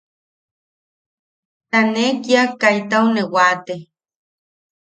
Ta ne kia kaitau ne waate.